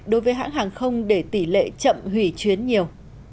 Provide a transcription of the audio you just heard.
đối với hãng hàng không để tỷ lệ chậm hủy chuyến nhiều